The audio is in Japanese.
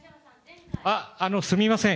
すみません。